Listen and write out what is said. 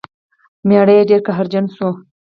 میړه یې ډیر قهرجن شو.